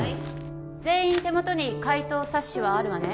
全員手元に解答冊子はあるわね